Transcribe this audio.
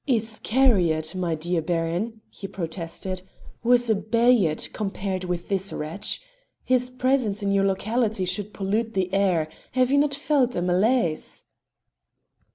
"Iscariot, my dear Baron," he protested, "was a Bayard compared with this wretch. His presence in your locality should pollute the air; have you not felt a malaise?"